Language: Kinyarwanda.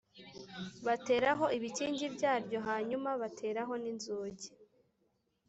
bateraho ibikingi byaryo hanyuma bateraho n inzugi